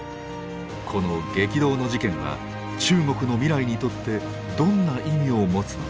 この激動の事件は中国の未来にとってどんな意味を持つのか。